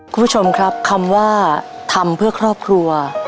คุณผู้ชมครับคำว่าทำเพื่อครอบครัว